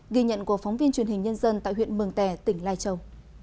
ghi nhận của phóng viên truyền hình nhân dân tại huyện mường tè tỉnh lai châu